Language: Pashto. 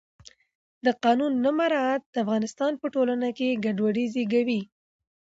د قانون نه مراعت د افغانستان په ټولنه کې ګډوډي زیږوي